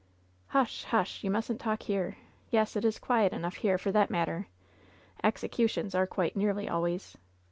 "Hush, hush ! you mustn't talk here. Yes, it is quiet enough here, for that matter! Executions are quiet nearly always.